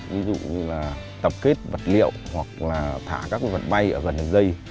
ví dụ như tập kết vật liệu hoặc thả các vật bay gần đường dây